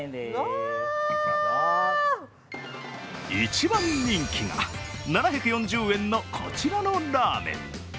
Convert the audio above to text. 一番人気が７４０円のこちらのラーメン。